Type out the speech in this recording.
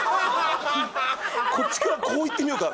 こっちからこういってみようか。